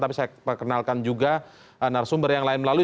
tapi saya perkenalkan juga narasumber yang lain melalui